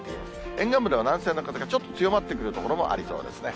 沿岸部では南西の風がちょっと強まってくる所もありそうですね。